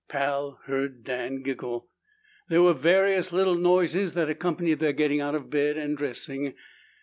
Pal heard Dan giggle. There were various little noises that accompanied their getting out of bed and dressing.